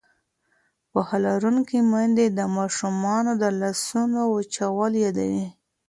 پوهه لرونکې میندې د ماشومانو د لاسونو وچول یادوي.